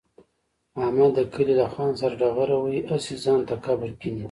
احمد د کلي له خان سره ډغره وهي، هسې ځان ته قبر کني.